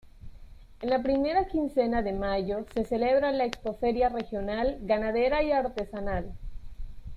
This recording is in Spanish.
En la primera quincena de mayo, se celebra la Expo-Feria regional, ganadera y artesanal.